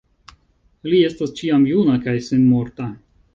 Li estas ĉiam juna kaj senmorta.